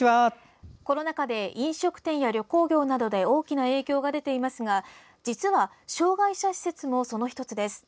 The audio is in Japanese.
コロナ禍で飲食店や旅行業などで大きな影響が出ていますが実は障害者施設もその１つです。